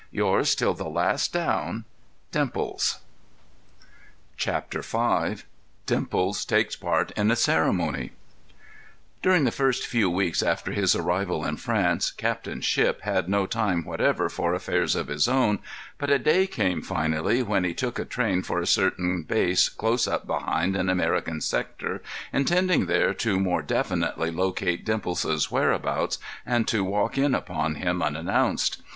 Yours till the last "down," DIMPLES. CHAPTER V Dimples Takes Part in a Ceremony During the first few weeks after his arrival in France Captain Shipp had no time whatever for affairs of his own, but a day came finally when he took a train for a certain base close up behind an American sector, intending there to more definitely locate Dimples's whereabouts and to walk in upon him unannounced.